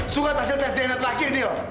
surat hasil tes dna terakhir du